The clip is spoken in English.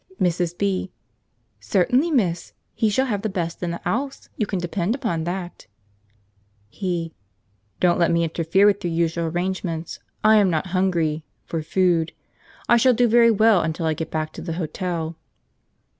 Mrs. B. "Certainly, miss, he shall have the best in the 'ouse, you can depend upon that." He. "Don't let me interfere with your usual arrangements. I am not hungry for food; I shall do very well until I get back to the hotel."